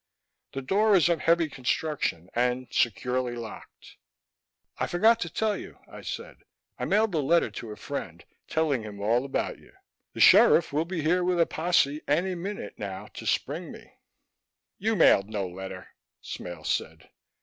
The door is of heavy construction, and securely locked." "I forgot to tell you," I said. "I mailed a letter to a friend, telling him all about you. The sheriff will be here with a posse any minute now, to spring me " "You mailed no letter," Smale said.